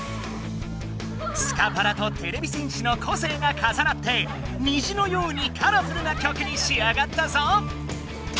スカパラとてれび戦士の個性がかさなってにじのようにカラフルな曲にしあがったぞ！